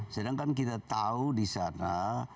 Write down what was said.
sedangkan kita tahu di sana